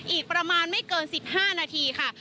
อีกประมาณไม่เกิน๑๕นาทีค่ะ